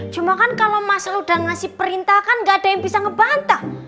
cuma kan kalo mas luda ngasih perintah kan gak ada yang bisa ngebantah